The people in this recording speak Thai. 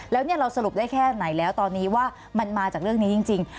แล้วเราสรุปได้แค่ไหนแล้วตอนนี้ว่ามันมาจากเรื่องนี้จริง